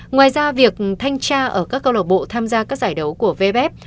ngoài ra việc thanh tra ở các câu lạc bộ tham gia các giải đấu của vb